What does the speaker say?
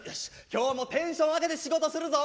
今日もテンション上げて仕事探すぞ！